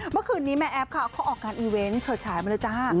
เมื่อคืนนี้แม่แอฟค่ะเขาออกงานอีเวนต์เฉิดฉายมาเลยจ้า